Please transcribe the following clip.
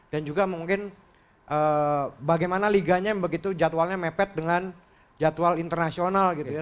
dan juga mungkin bagaimana liganya begitu jadwalnya mepet dengan jadwal internasional gitu ya